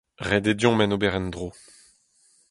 Ret eo deomp en ober en-dro.